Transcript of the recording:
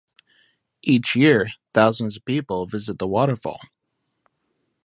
Each year thousands of people visit the waterfall.